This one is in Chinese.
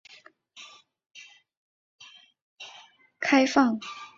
校史馆仅对上级考察团及友好学校来访团及入学新生团体参观开放。